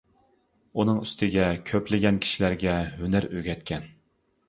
ئۇنىڭ ئۈستىگە كۆپلىگەن كىشىلەرگە ھۈنەر ئۆگەتكەن.